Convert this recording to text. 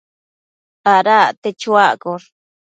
Ada acte chuaccosh